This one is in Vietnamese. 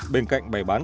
bên cạnh bày bán